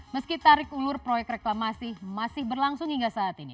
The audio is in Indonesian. meski tarik ulur proyek reklamasi masih berlangsung hingga saat ini